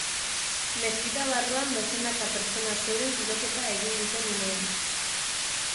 Meskita barruan dozenaka pertsona zeuden tiroketa egin duten unean.